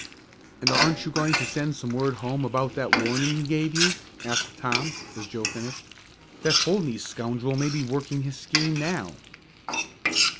"And aren't you going to send some word home about that warning he gave you?" asked Tom, as Joe finished. "That Holdney scoundrel may be working his scheme now."